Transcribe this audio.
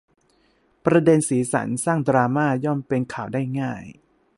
ประเด็นสีสัน สร้างดราม่า ย่อมเป็นข่าวได้ง่าย